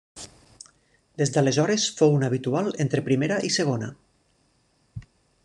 Des d'aleshores fou un habitual entre primera i segona.